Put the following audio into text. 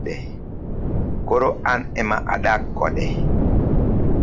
koro an ema adak kode